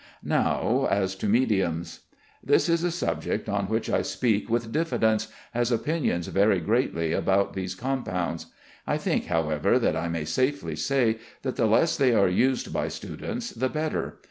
Now as to mediums: This is a subject on which I speak with diffidence, as opinions vary greatly about these compounds. I think, however, that I may safely say that the less they are used by students the better.